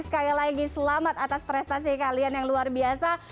sekali lagi selamat atas prestasi kalian yang luar biasa